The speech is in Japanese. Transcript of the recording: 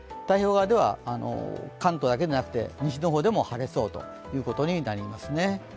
太平洋側では関東だけでなく西の方でも晴れそうということです。